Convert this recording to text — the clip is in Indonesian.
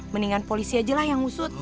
mendingan polisi aja lah yang ngusut